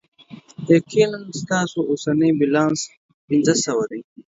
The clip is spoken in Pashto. یقینا، ستاسو اوسنی بیلانس پنځه سوه دی.